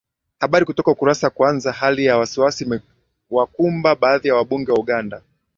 habari kutoka ukurasa kwanza hali ya wasiwasi imewakumba baadhi ya wabunge wa uganda